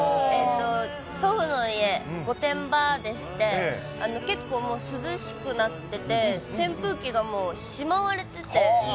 祖父の家、御殿場でして、結構もう涼しくなってて、扇風機がもうしまわれてて。